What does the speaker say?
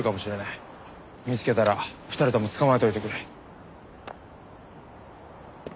見つけたら２人とも捕まえておいてくれ。